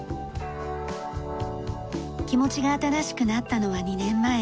気持ちが新しくなったのは２年前。